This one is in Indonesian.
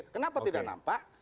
kenapa tidak nampak